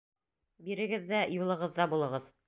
Бирегеҙ ҙә юлығыҙҙа булығыҙ.